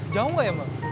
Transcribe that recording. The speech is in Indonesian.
jauh nggak ya bang